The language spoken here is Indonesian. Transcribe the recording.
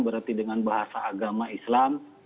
berarti dengan bahasa agama islam